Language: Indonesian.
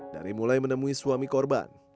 dari mulai menemui suami korban